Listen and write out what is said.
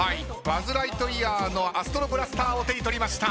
バズ・ライトイヤーのアストロブラスターを手に取りました。